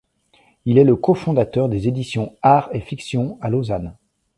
Il est le cofondateur des éditions art&fiction à Lausanne.